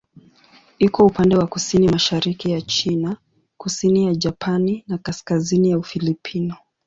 Iko upande wa kusini-mashariki ya China, kusini ya Japani na kaskazini ya Ufilipino.